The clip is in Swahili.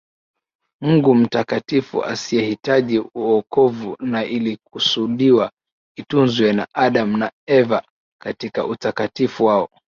Mungu mtakatifu asiyehitaji wokovu na ilikusudiwa itunzwe na Adam na Eva katika utakatifu wao